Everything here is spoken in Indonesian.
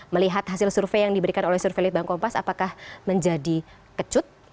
melihat hasil survei yang diberikan oleh survei litbang kompas apakah menjadi kecut